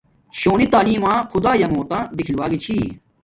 شونی تعلیم ما خدا یعمت تا دیکھل و گی چھی